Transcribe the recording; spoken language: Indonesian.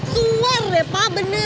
luar deh pak bener deh